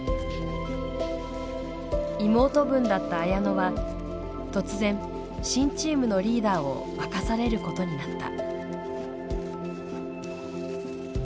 妹分だった綾乃は突然新チームのリーダーを任されることになった。